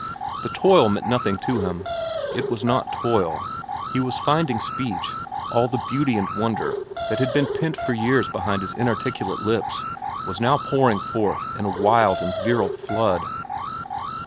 The toil meant nothing to him. It was not toil. He was finding speech, and all the beauty and wonder that had been pent for years behind his inarticulate lips was now pouring forth in a wild and virile flood.